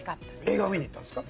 映画見に行ったんですか？